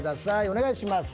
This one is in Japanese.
お願いします。